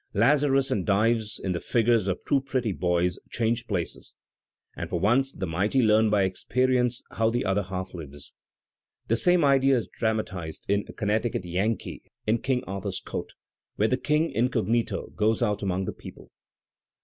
Lazarus and Dives, in the figures of two pretty boys, change places, and for once the mighty learn by experience Digitized by Google MARK TWAIN «68 how the other half lives. The same idea is dramatized in "A Comiecticut Yankee in King Arthur's Court," where the king, incognito, goes out among the people.